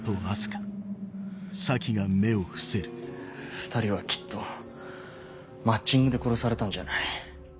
２人はきっとマッチングで殺されたんじゃない。